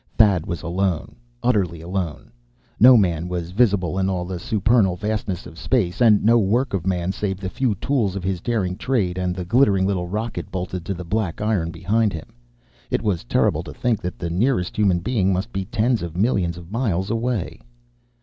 Thad was alone. Utterly alone. No man was visible, in all the supernal vastness of space. And no work of man save the few tools of his daring trade, and the glittering little rocket bolted to the black iron behind him. It was terrible to think that the nearest human being must be tens of millions of miles away.